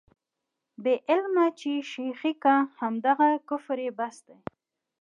بې علمه چې شېخي کا، همدغه کفر یې بس دی.